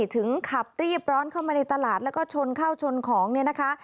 ถึงขับรีบร้อนเข้ามาในตลาดแล้วก็ชนเข้าชนของเนี่ยนะคะ